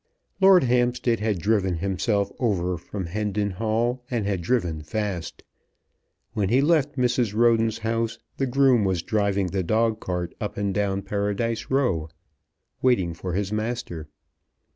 Lord Hampstead had driven himself over from Hendon Hall, and had driven fast. When he left Mrs. Roden's house the groom was driving the dog cart up and down Paradise Row, waiting for his master.